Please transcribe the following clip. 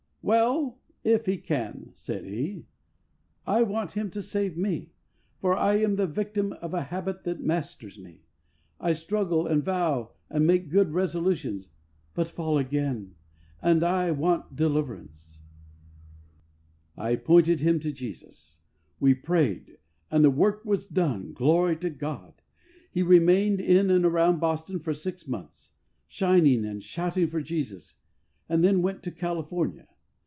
"Well, if He can," said he, " I want Him to save me, for I am the victim of a habit that masters me. I struggle and vow and make good resolutions, but fall again, and I want deliverance." I pointed him to Jesus. We prayed, and the work was done. Glory to God I He remained in and around Boston for six months, shining and shouting for Jesus, and then went to California.